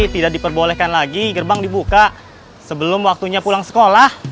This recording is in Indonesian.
tidak diperbolehkan lagi gerbang dibuka sebelum waktunya pulang sekolah